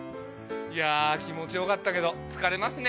いや気持ち良かったけど疲れますね